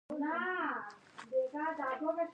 • مینه د ټولو خوښیو سرچینه ده.